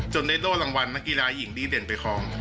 ได้โล่รางวัลนักกีฬาหญิงดีเด่นไปครอง